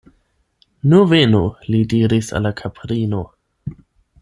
Nur venu! li diris al la kaprino.